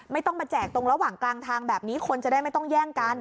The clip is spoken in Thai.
ไม่ต้องมาแจกตรงระหว่างกลางทางแบบนี้คนจะได้ไม่ต้องแย่งกัน